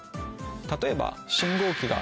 例えば。